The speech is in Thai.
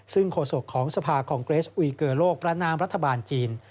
ซึ่งโฆษกของสภาคองเกรสอุยเกอร์โลกประนามรัฐบาลจีน